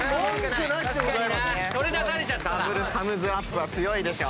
ダブルサムズアップは強いでしょ。